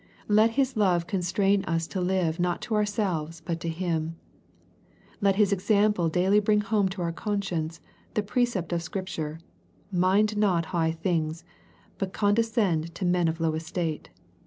Let His love constrain us to live not to our selves, but to Him. Let His example daily bring home to our conscience the precept of Scripture :" Mind not high things, but condescend to men of low estate."